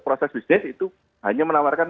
proses bisnis itu hanya menawarkan